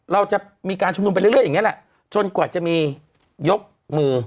เราจะมีการชุมนุมไปเรื่อยอย่างนี้แหละจนกว่าจะมียกมือ